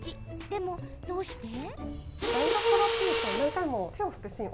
でも、どうして？